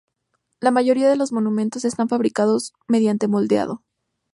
La mayoría de los monumentos están fabricados mediante moldeado.